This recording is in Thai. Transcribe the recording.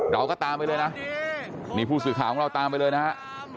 เราก็ตามไปเลยนะนี่ผู้สื่อข่าวของเราตามไปเลยนะฮะ